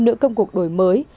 nữ công cuộc đổi mới